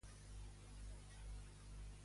On va estudiar Anna?